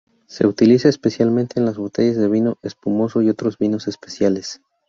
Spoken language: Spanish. Se utiliza especialmente en las botellas de vino espumoso y otros vinos especiales.